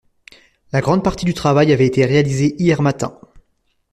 La grande partie du travail avait été réalisée hier matin.